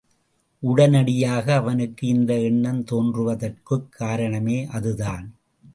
உடனடியாக அவனுக்கு இந்த எண்ணம் தோன்றுவதற்குக் காரணமே அதுதான்.